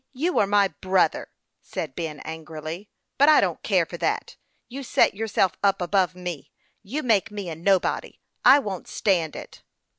Lawry, you are my brother," said Ben, angrily ;" but I don't care for that. You set yourself up above me ; you make me a nobody. I won't stand it!"